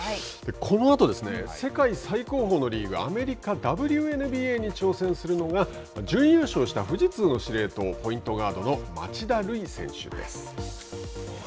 このあと世界最高峰のリーグアメリカＷＮＢＡに挑戦するのが準優勝した富士通の司令塔ポイントガードの町田瑠唯選手です。